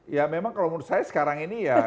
ya memang kalau menurut saya sekarang ini ya